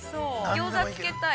◆ギョーザつけたい。